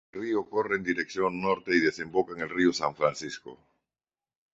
El río corre en dirección norte y desemboca en el río San Francisco.